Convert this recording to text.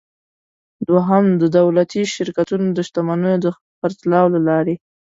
دوهم: د دولتي شرکتونو د شتمنیو د خرڅلاو له لارې.